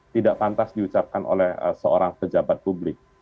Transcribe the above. tidak pantas diucapkan oleh seorang pejabat publik